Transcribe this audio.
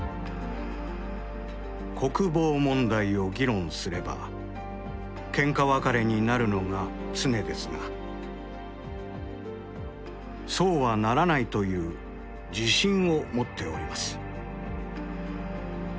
「国防問題を議論すればケンカ別れになるのが常ですがそうはならないという自信を持っております」。